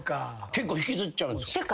結構引きずっちゃうんですか？